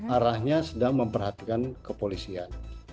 arahnya sedang memperhatikan kepolisian